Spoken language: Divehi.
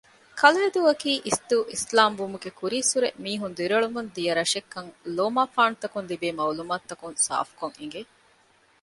ކަލައިދޫއަކީ އިސްދޫ އިސްލާމްވުމުގެ ކުރީއްސުރެ މީހުން ދިރިއުޅެމުންދިޔަ ރަށެއްކަން ލޯމާފާނުތަކުން ލިބޭ މަޢުލޫމާތުތަކުން ސާފުކޮށް އެނގެ